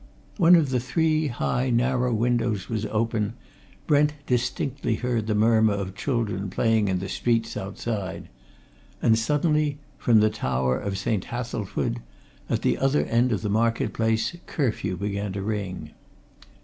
One of the three high, narrow windows was open: Brent distinctly heard the murmur of children playing in the streets outside. And suddenly, from the tower of St. Hathelswide, at the other end of the market place, curfew began to ring.